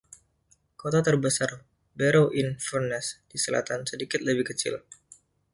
Kota terbesar, Barrow-in-Furness, di selatan, sedikit lebih kecil.